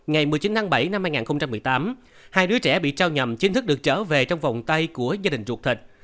ngày một mươi chín tháng bảy năm hai nghìn một mươi tám hai đứa trẻ bị trao nhầm chính thức được trở về trong vòng tay của gia đình ruột thịt